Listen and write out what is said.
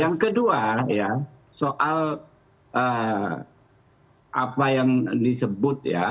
yang kedua ya soal apa yang disebut ya